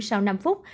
sau năm phút